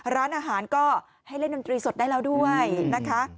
ร้านอาหารก็ให้เล่นดนตรีสดได้แล้วด้วยนะคะ